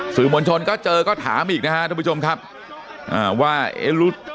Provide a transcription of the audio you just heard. สื่อมวลชนก็เจอก็ถามอีกนะฮะทุกผู้ชมครับอ่าว่าเอ๊ะรู้